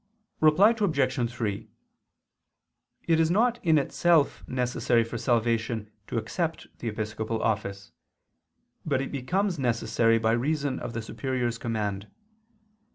Reply Obj. 3: It is not in itself necessary for salvation to accept the episcopal office, but it becomes necessary by reason of the superior's command.